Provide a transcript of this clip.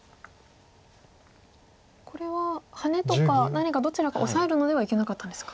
これはハネとか何かどちらかオサえるのではいけなかったんですか？